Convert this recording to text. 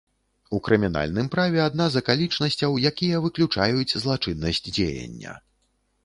У крымінальным праве адна з акалічнасцяў, якія выключаюць злачыннасць дзеяння.